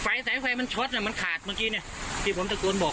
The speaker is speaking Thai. ไฟแสงไฟมันชดเนี้ยมันขาดเมื่อกี้เนี้ยที่ผมจะโกนบอกนะเออ